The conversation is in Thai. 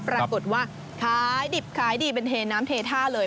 ปรากฏว่าขายดิบขายดีเป็นเทน้ำเทท่าเลย